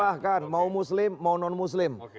bahkan mau muslim mau non muslim